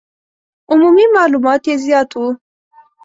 عمومي معلومات یې زیات وو.